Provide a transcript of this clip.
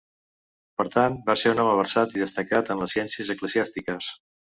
Per tant, va ser un home versat i destacat en les ciències eclesiàstiques.